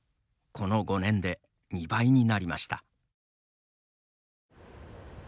この５年で２倍になりました。